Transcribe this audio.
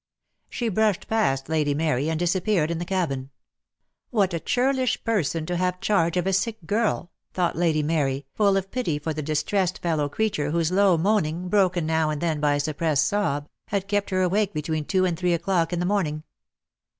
She brushed past Lady Mary, and disappeared in the cabin. "What a churlish person to have charge of a sick girl," thought Lady Mary, full of pity for the distressed fellow creature whose low moaning, broken now and then by a suppressed sob, had kept her awake between two and three o'clock in the morn ing.